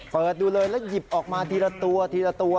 เปิดดูเลยแล้วหยิบออกมาทีละตัวทีละตัว